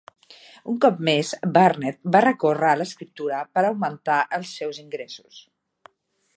Un cop més, Burnett va recórrer a l'escriptura per augmentar els seus ingressos.